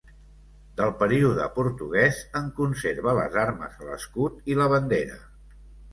Del període portuguès, en conserva les armes a l’escut i la bandera.